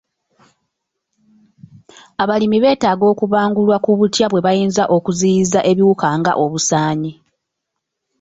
Abalimi beetaaga okubangulwa ku butya bwe bayinza okuziiyiza ebiwuka nga obusaanyi.